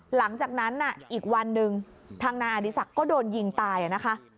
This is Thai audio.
หลังจากนั้นอีกวันหนึ่งทางนายอดีศักดิ์ก็โดนยิงตายนะคะ